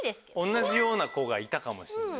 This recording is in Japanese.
同じような子がいたかもしんない。